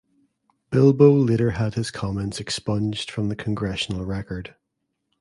Bilbo later had his comments expunged from the "Congressional Record".